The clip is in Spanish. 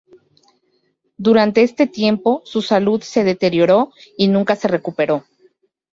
Durante este tiempo, su salud se deterioró, y nunca se recuperó.